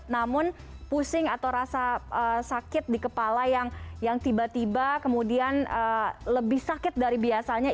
namun pusing atau rasa sakit di kepala yang tiba tiba kemudian lebih sakit dari biasanya